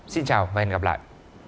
xin chào và hẹn gặp lại